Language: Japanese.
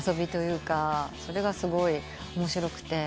それがすごい面白くて。